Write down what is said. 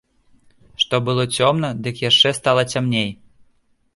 Што было цёмна, дык яшчэ стала цямней.